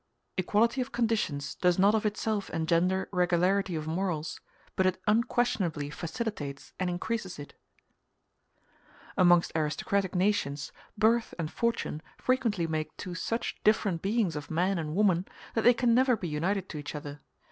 Equality of conditions does not of itself engender regularity of morals, but it unquestionably facilitates and increases it. *a [Footnote a: See Appendix T.] Amongst aristocratic nations birth and fortune frequently make two such different beings of man and woman, that they can never be united to each other.